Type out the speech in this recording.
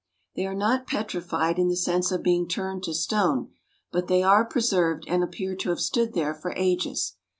They are not petrified in the sense of being turned to stone, but they are preserved and appear to have stood there for ages.